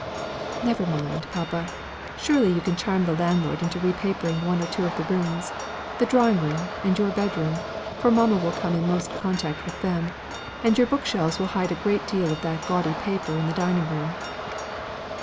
"Never mind, papa! Surely you can charm the landlord into re papering one or two of the rooms the drawing room and your bed room for mamma will come most in contact with them; and your book shelves will hide a great deal of that gaudy pattern in the dining room."